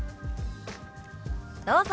どうぞ。